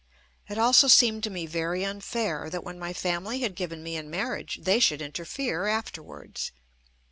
It also seemed to me very unfair that, when my family had given me in marriage, they should interfere afterwards.